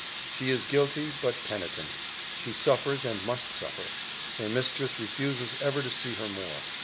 "She is guilty, but penitent; she suffers and must suffer. Her mistress refuses ever to see her more.